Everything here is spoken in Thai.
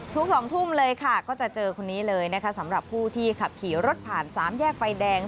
ทุก๒ทุ่มเลยค่ะก็จะเจอคนนี้เลยนะคะสำหรับผู้ที่ขับขี่รถผ่าน๓แยกไฟแดง